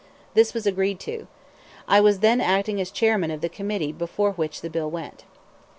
This was agreed to. I was then acting as chairman of the committee before which the bill went.